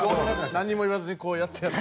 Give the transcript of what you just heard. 何も言わずにこうやって。